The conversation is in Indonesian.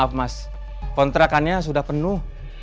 maaf mas kontrakannya sudah penuh